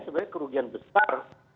sebenarnya kerugian besar